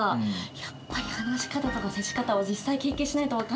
やっぱり話し方とか接し方は実際経験しないと分かんないよね。